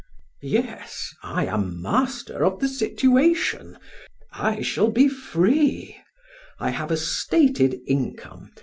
"Yes, I am master of the situation. I shall be free. I have a stated income.